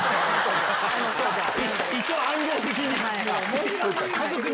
一応、暗号的に。